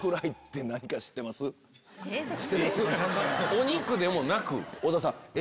お肉でもなく？